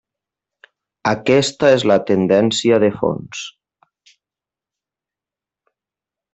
Aquesta és la tendència de fons.